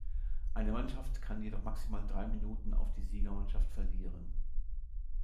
Eine Mannschaft kann jedoch maximal drei Minuten auf die Siegermannschaft verlieren.